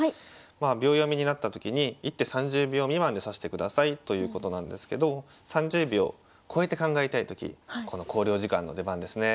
秒読みになったときに１手３０秒未満で指してくださいということなんですけど３０秒超えて考えたいときこの考慮時間の出番ですね。